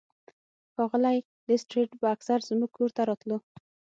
ښاغلی لیسټرډ به اکثر زموږ کور ته راتلو.